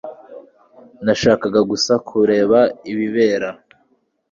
Nashakaga gusa kureba ibibera